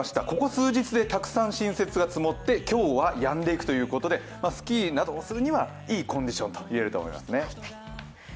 ここ数日でたくさん新雪が積もって今日はやんでいくということでスキーなどをするにはいいコンディションといえるかもしれませんね。